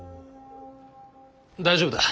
大丈夫だ。